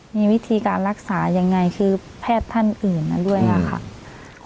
มีวิธีการรักษายังไงคือแพทย์ท่านอื่นด้วยค่ะ